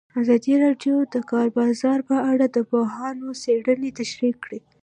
ازادي راډیو د د کار بازار په اړه د پوهانو څېړنې تشریح کړې.